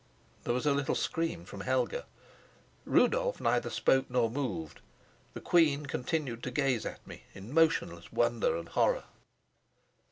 There was a little scream from Helga; Rudolf neither spoke nor moved; the queen continued to gaze at me in motionless wonder and horror.